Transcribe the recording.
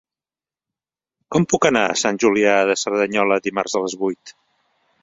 Com puc anar a Sant Julià de Cerdanyola dimarts a les vuit?